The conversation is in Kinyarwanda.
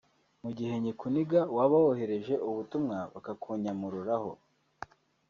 mu gihe nkikuniga waba wohereje ubutumwa bakakunyamururaho